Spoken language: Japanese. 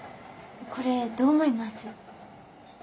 これどう思います？